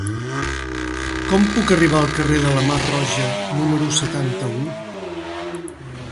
Com puc arribar al carrer de la Mar Roja número setanta-u?